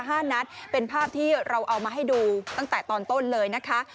ห้านัดเป็นภาพที่เราเอามาให้ดูตั้งแต่ตอนต้นเลยนะคะ